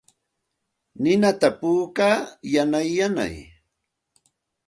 Ninata puukaa yanay yanay.